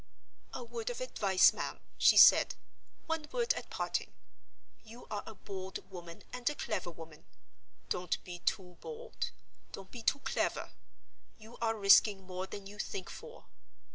"A word of advice, ma'am," she said; "one word at parting. You are a bold woman and a clever woman. Don't be too bold; don't be too clever. You are risking more than you think for."